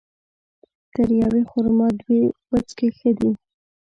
تر يوې خرما ، دوې وڅکي ښه دي